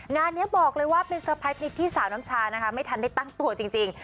งานนี้บอกเลยว่าเป็นเซอร์ไพรส์ชนิดที่สาวน้ำชานะคะไม่ทันได้ตั้งตัวจริง